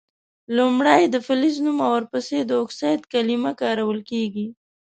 لومړۍ د فلز نوم او ور پسي د اکسایډ کلمه کارول کیږي.